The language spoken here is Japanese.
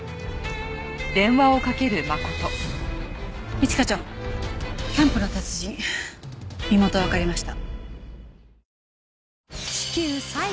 一課長キャンプの達人身元わかりました。